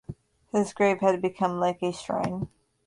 His grave had become like a shrine.